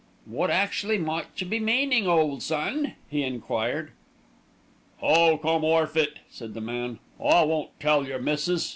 "Wot exactly might you be meanin', ole son?" he enquired. "Oh! come orf of it," said the man. "I won't tell your missis.